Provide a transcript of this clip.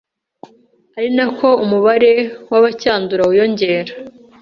ari na ko umubare w’abacyandura wiyongera